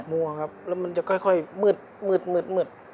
มัวครับแล้วมันจะค่อยมืด